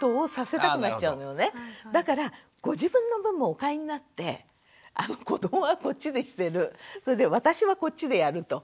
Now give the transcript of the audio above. だからご自分の分もお買いになって子どもはこっちでしてるそれで私はこっちでやると。